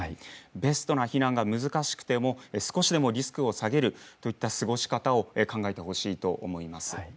ベストな避難が難しくても、少しでもリスクを下げる、そういった過ごし方を考えてほしいと思います。